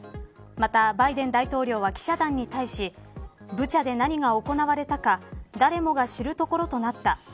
またバイデン大統領は記者団に対しブチャで何が行われたか誰もが知るところとなった。